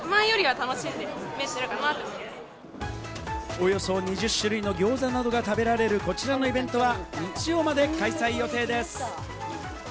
およそ２０種類の餃子などが食べられるこちらのイベントは日曜まで開催予定です。